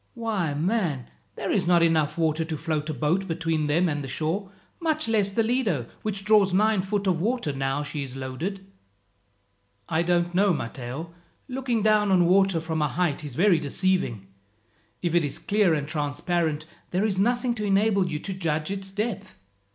Why, man, there is not water enough to float a boat between them and the shore, much less the Lido, which draws nine foot of water now she is loaded." "I don't know, Matteo. Looking down on water from a height is very deceiving. If it is clear and transparent, there is nothing to enable you to judge its depth.